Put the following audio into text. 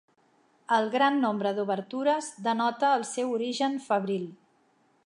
El gran nombre d'obertures denota el seu origen fabril.